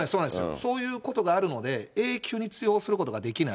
そういうことがあるので、永久に追放することができない。